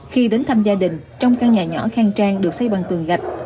khi đến thăm gia đình trong căn nhà nhỏ khang trang được xây bằng tường gạch